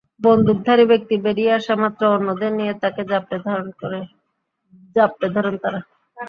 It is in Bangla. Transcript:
বন্দুকধারী ব্যক্তি বেরিয়ে আসা মাত্র অন্যদের নিয়ে তাঁকে জাপটে ধরেন তাঁরা।